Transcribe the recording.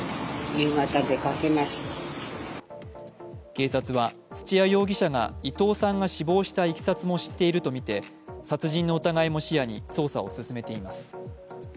警察は土屋容疑者が伊藤さんが死亡したいきさつも知っているとみて殺人の疑いも視野に捜査を進めています。